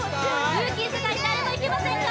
ルーキー世代誰もいけませんか？